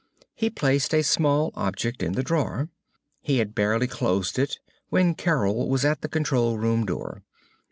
He placed a small object in the drawer. He had barely closed it when Carol was at the control room door.